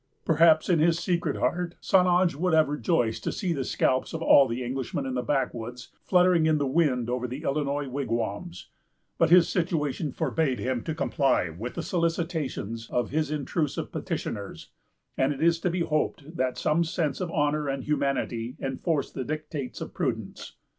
Perhaps, in his secret heart, St. Ange would have rejoiced to see the scalps of all the Englishmen in the backwoods fluttering in the wind over the Illinois wigwams; but his situation forbade him to comply with the solicitations of his intrusive petitioners, and it is to be hoped that some sense of honor and humanity enforced the dictates of prudence.